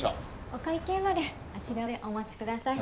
お会計まであちらでお待ちください。